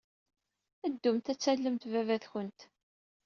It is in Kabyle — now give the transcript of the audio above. Ddumt ad tallemt baba-twent.